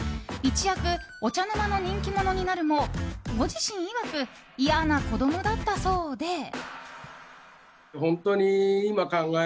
一躍、お茶の間の人気者になるもご自身いわく嫌な子供だったそうで。